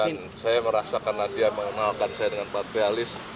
dan saya merasa karena dia mengenalkan saya dengan pak patrialis